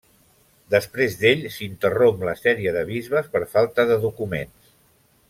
Després d'ell s'interromp la sèrie de bisbes per falta de documents.